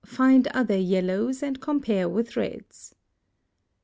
Find other yellows, and compare with reds.